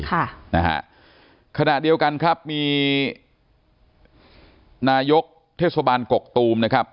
ค่ะนะฮะขณะเดียวกันครับมีนายกเทศบาลกกตูมนะครับ